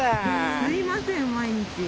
すいません毎日。